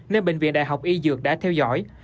nên bệnh viện đại học y dược đã theo dõi